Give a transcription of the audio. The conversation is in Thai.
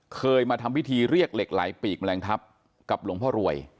เคยมาทำพิธีเรียกเหล็กไหลปีกแมลงทัพกับหลวงพ่อรวย